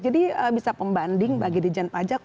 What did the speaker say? jadi bisa pembanding bagi dijen pajak